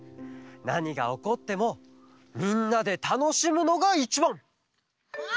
なにがおこってもみんなでたのしむのがいちばん！